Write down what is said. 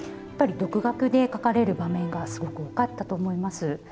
やっぱり独学で描かれる場面がすごく多かったと思います。